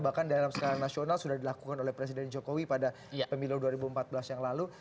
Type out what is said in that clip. bahkan dalam skala nasional sudah dilakukan oleh presiden jokowi pada pemilu dua ribu empat belas yang lalu